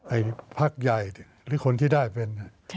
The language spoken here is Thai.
พักใหญ่หรือคนที่ได้เป็น